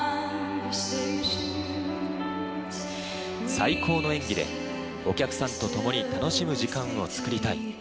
最高の演技でお客さんと共に楽しむ時間をつくりたい。